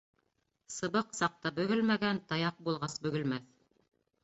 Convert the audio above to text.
Сыбыҡ саҡта бөгөлмәгән, таяҡ булғас бөгөлмәҫ.